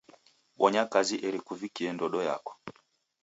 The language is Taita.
Bonya kazi eri kuvikie ndodo yako.